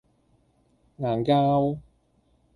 硬膠